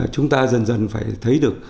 chúng ta dần dần phải thấy được